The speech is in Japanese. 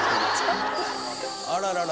あららら。